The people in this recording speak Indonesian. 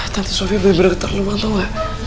tante sofi bener bener terlumak tau gak